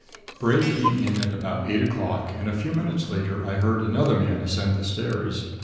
Bray came in about eight o'clock and a few minutes later I heard another man ascend the stairs.